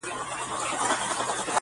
د منصوري قسمت مي څو کاڼي لا نور پاته دي-